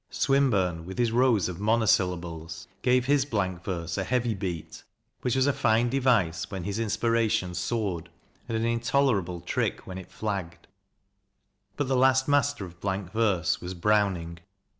Swinburne, with his rows of monosyllables, gave his blank verse a heavy beat, which was a fine device when his inspira tion soared, and an intolerable trick when it flagged. But the last master of blank verse was Browning.